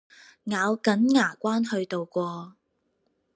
咬緊牙關去渡過